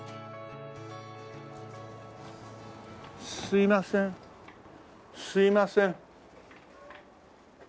すいませんすいません。